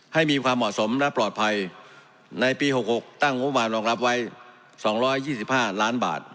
ให้มีความเหมาะสมและปลอดภัยในปี๖๖ตั้งงบประมาณรองรับไว้๒๒๕ล้านบาท